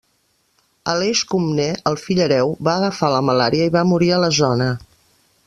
Aleix Comnè, el fill hereu, va agafar la malària i va morir a la zona.